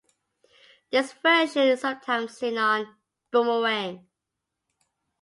This version is sometimes seen on Boomerang.